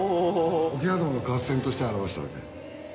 桶狭間の合戦として表したわけ。